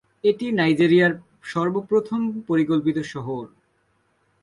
এটি নাইজেরিয়ার সর্বপ্রথম পরিকল্পিত শহর।